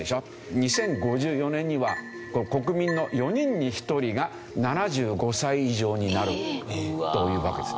２０５４年には国民の４人に１人が７５歳以上になるというわけですよ。